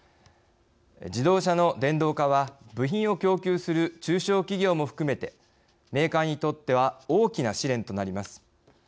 自動車の電動化は部品を供給する中小企業も含めてメーカーにとっては大きな試練となります。